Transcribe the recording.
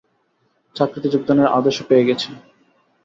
চাকরিতে যোগদানের আদেশও পেয়ে গেছি।